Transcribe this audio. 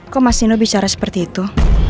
kok mas dino bicara seperti itu